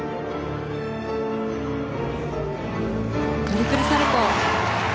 トリプルサルコウ。